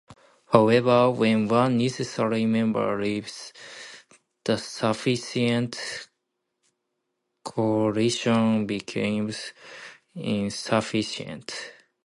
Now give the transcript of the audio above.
However, when "one" necessary member leaves, the sufficient coalition becomes insufficient.